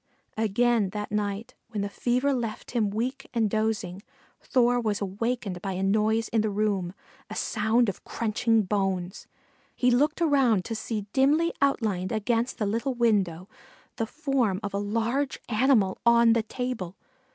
Again that night, when the fever left him weak and dozing, Thor was awakened by a noise in the room, a sound of crunching bones. He looked around to see dimly outlined against the little window, the form of a large animal on the table.